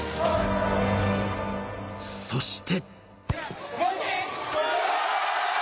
そして。